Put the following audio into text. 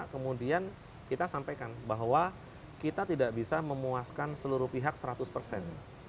kemudian kita sampaikan bahwa kita tidak bisa memuaskan seluruh pihak seratus persen